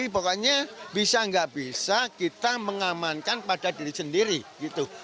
pokoknya bisa nggak bisa kita mengamankan pada diri sendiri gitu